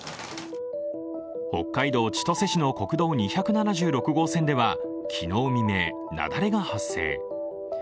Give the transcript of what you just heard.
北海道千歳市の国道２７６号線では昨日未明、雪崩が発生。